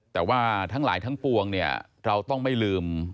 แต่ว่าทั้งหลายทั้งปวงเนี่ยเราต้องไม่ลืม